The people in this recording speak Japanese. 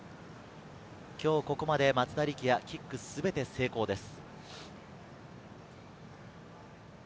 今日ここまで、松田力也はキックすべて成功です。